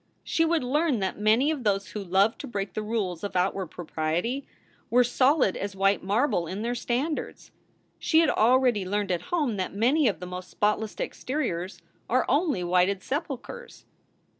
She would learn that many of those who loved to break the rules of outward propriety were solid as white marble in their standards. She had already learned at home that many of the most spotless exteriors are only whited sepulchers.